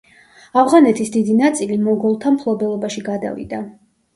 ავღანეთის დიდი ნაწილი მოგოლთა მფლობელობაში გადავიდა.